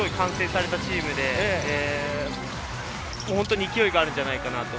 完成されたチームで勢いがあるんじゃないかなと。